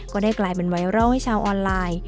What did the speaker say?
กลายเป็นไวรัลให้ชาวออนไลน์